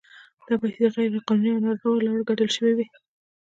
دا پیسې د غیر قانوني او ناروا لارو ګټل شوي وي.